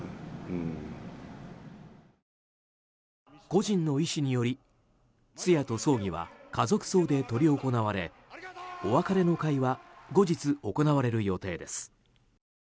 故人の遺志により通夜と葬儀は家族葬で執り行われお別れの会は後日、行われる予定です。